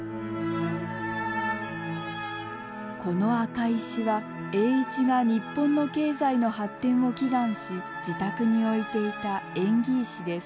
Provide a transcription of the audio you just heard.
この赤石は栄一が日本の経済の発展を祈願し自宅に置いていた縁起石です。